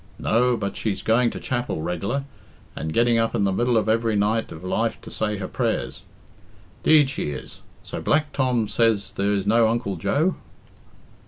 No, but she's going to chapel reg'lar, and getting up in the middle of every night of life to say her prayers. 'Deed she is. So Black Tom says there is no Uncle Joe?"